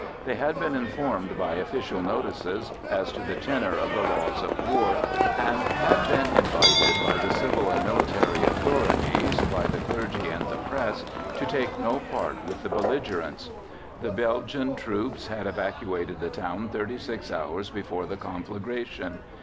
They had been informed by Official Notices as to the tenor of the Laws of War, and had been invited by the Civil and Military Authorities, by the Clergy and the Press, to take no part with the belligerents. The Belgian troops had evacuated the town 36 hours before the conflagration.